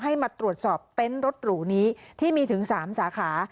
ให้มาตรวจสอบเต็นต์รถหรูนี้ที่มีถึง๓สาขา